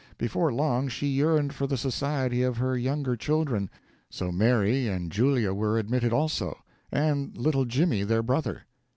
Before long she yearned for the society of her younger children; so Mary and Julia were admitted also, and little Jimmy, their brother.